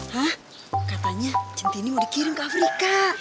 hah katanya centini mau dikirim ke afrika